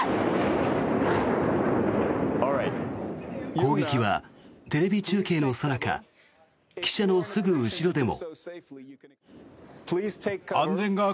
攻撃は、テレビ中継のさなか記者のすぐ後ろでも。